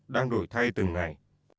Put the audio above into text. đang đổi thay từng ngày